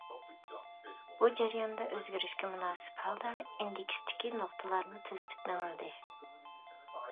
بۇ جەرياندا ئۆزگىرىشكە مۇناسىپ ھالدا «ئىندېكس» تىكى نۇقتىلارمۇ تۈزىتىپ مېڭىلدى.